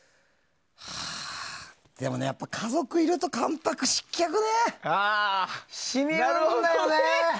でもね、やっぱり家族いると「関白失脚」が染みるんだよね。